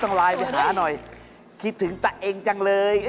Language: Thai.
ทำไมชั้นจัง